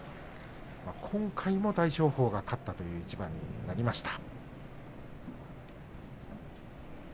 今回も大翔鵬が勝ったという一番になりました。